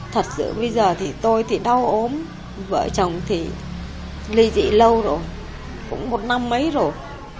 thật sự bây giờ thì tôi thì đau ốm vợ chồng thì ly dị lâu rồi cũng một năm mấy rồi